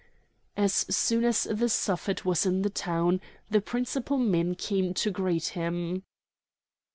As soon as the Suffet was in the town the principal men came to greet him.